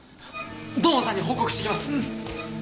土門さんに報告してきます。